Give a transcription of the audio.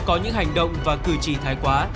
có những hành động và cử chỉ thái quá